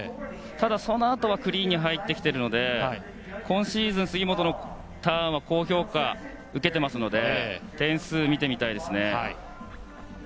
ただ、そのあとはクリーンに入ってきているので今シーズン杉本のターンは高評価を受けていますので点数を見てみたいですね。